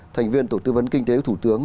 thành viên tổ tư vấn kinh tế của thủ tướng